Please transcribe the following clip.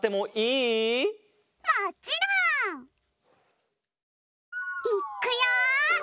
いっくよ！